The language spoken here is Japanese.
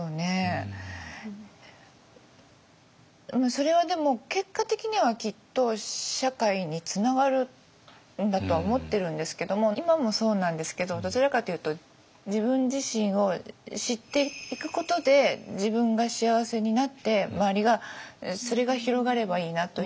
それはでも結果的にはきっと社会につながるんだとは思ってるんですけども今もそうなんですけどどちらかというと自分自身を知っていくことで自分が幸せになって周りがそれが広がればいいなという。